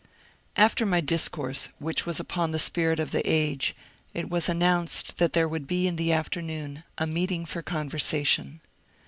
After my discourse, which was upon the Spirit of the Age, it was announced that there would be in the afternoon a meet ing for conversation.